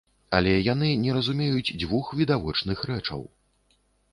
Але яны не разумеюць дзвюх відавочных рэчаў.